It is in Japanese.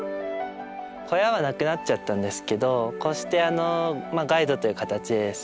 小屋はなくなっちゃったんですけどこうしてガイドという形でですね